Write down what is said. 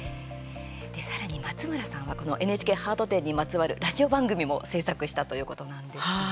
さらに松村さんはこのＮＨＫハート展にまつわるラジオ番組も制作したということなんですね。